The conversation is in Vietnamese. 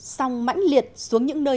xong mãnh liệt xuống những nơi